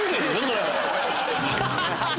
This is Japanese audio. ハハハハ！